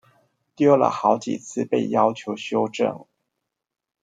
丟了好幾次被要求修正